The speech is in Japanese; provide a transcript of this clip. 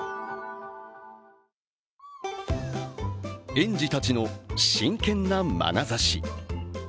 園児たちの真剣なまなざし。